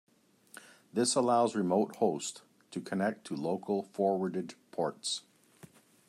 This allows remote hosts to connect to local forwarded ports.